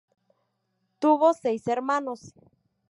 Tuvo seis hermanos.